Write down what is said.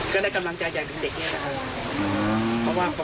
ก็ได้กำลังจ่ายอย่างเด็กนี้นะครับ